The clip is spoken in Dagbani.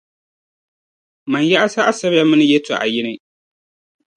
Mani yaa saɣisiri ya mi ni yεltɔɣa yini!